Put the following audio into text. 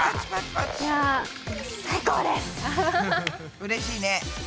うれしいね。